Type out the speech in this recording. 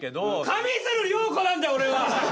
上水流涼子なんだよ俺は！